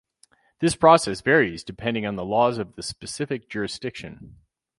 This process varies depending on the laws of the specific jurisdiction.